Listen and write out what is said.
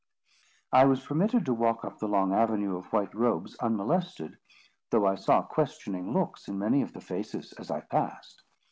I was permitted to walk up the long avenue of white robes unmolested, though I saw questioning looks in many of the faces as I passed.